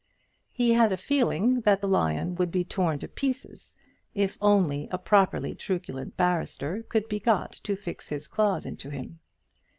He had a feeling that the lion would be torn to pieces, if only a properly truculent barrister could be got to fix his claws into him.